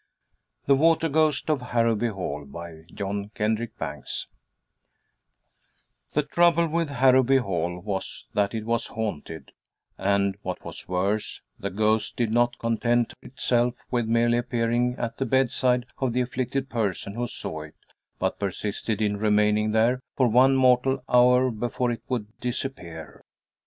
'" THE WATER GHOST OF HARROWBY HALL The trouble with Harrowby Hall was that it was haunted, and, what was worse, the ghost did not content itself with merely appearing at the bedside of the afflicted person who saw it, but persisted in remaining there for one mortal hour before it would disappear.